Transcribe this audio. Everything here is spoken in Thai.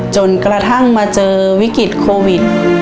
จนกระทั่งมาเจอวิกฤตโควิด